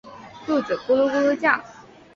肚子咕噜咕噜叫